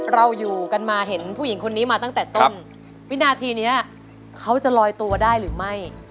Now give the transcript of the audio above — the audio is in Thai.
เราอยู่กันมาเห็นผู้หญิงคนนี้มาตั้งแต่ต้นวินาทีนี้เขาจะลอยตัวได้หรือไม่